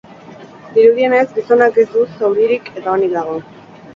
Dirudienez, gizonak ez du zauririk, eta onik dago.